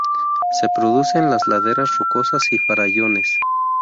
Se produce en las laderas rocosas y farallones.